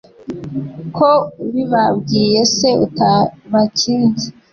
Ko ubibabwiye se utabakinze